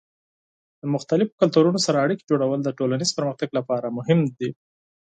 د مختلفو کلتورونو سره اړیکې جوړول د ټولنیز پرمختګ لپاره مهم دي.